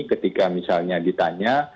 ketika misalnya ditanya